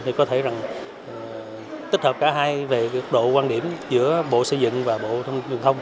để có thể tích hợp cả hai về độ quan điểm giữa bộ xây dựng và bộ thông minh thông